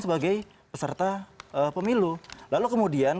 sebagai peserta pemilu lalu kemudian